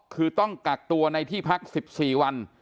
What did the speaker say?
คือต้องกักตัวในที่พัก๑๔วัน